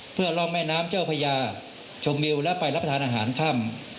เพื่อร่องแม่น้ำเจ้าพญาชมวิวและไปรับประทานอาหารค่ำ